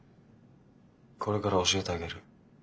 これから教えてあげる。